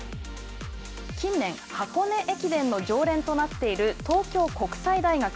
近年、箱根駅伝の常連となっている東京国際大学。